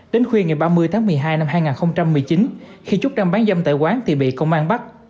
đến khuya ngày ba mươi tháng một mươi hai năm hai nghìn một mươi chín khi trúc đang bán dâm tại quán thì bị công an bắt